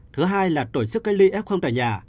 thứ hai là tổ chức cách ly f tại nhà